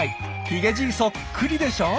ヒゲじいそっくりでしょ。